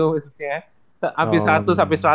hamin seratus sampai seratus